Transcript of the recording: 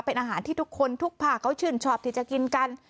เป็นอาหารที่ทุกคนทุกภาคเขาชื่นชอบที่จะกินกัน